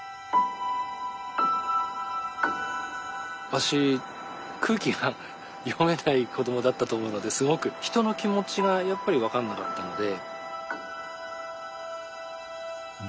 私空気が読めない子どもだったと思うのですごく人の気持ちがやっぱり分かんなかったので。